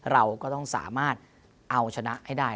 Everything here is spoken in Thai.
เราก็ต้องสามารถเอาชนะให้ได้